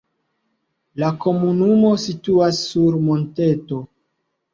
La komunumo situas sur monteto.